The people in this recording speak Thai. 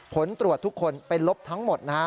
ผลตรวจทุกคนเป็นลบทั้งหมดนะฮะ